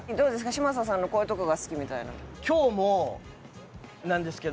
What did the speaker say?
嶋佐さんのこういうところが好きみたいな。